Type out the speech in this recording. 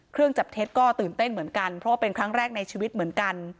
เครื่องจับเท็จก็ตื่นเต้นเหมือนกันเพราะว่าเป็นครั้งแรกในชีวิตเหมือนกัน